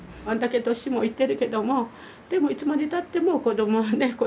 あんだけ年もいってるけどもでもいつまでたっても子供はね